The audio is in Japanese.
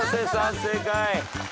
正解。